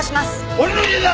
俺の家だ！